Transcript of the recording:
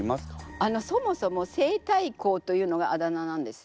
あのそもそも西太后というのがあだ名なんですよ。